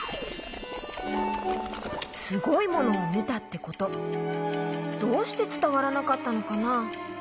すごいものをみたってことどうしてつたわらなかったのかな？